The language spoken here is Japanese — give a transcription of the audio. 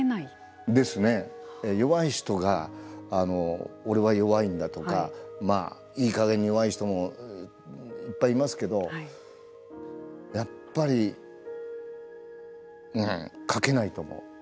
弱い人が俺は弱いんだとかいいかげんに弱い人もいっぱいいますけどやっぱり、描けないと思う。